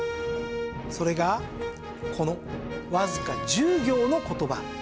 それがこのわずか１０行の言葉。